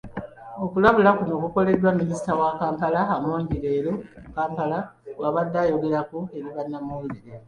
Okulabula kuno kukoleddwa Minisita wa Kampala Amongi leero mu Kampala bwabadde ayogerako eri bannamawulire.